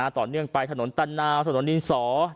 ต่อเนื่องไปถนนตันนาวถนนดินสอ